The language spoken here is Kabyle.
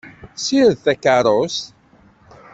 Ssired-d takeṛṛust.